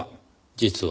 実は。